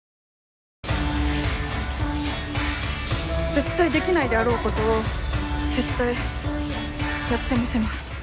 絶対できないであろうことを絶対やってみせます。